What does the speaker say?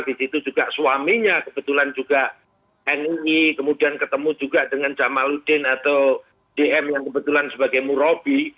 disitu juga suaminya kebetulan juga nui kemudian ketemu juga dengan jamaluddin atau dm yang kebetulan sebagai murobi